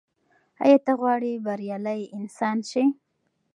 ایا ته غواړې بریالی انسان سې؟